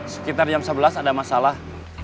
sekitar jam sebelas ada masalah